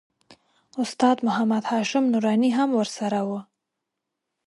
استاد محمد هاشم نوراني هم ورسره و.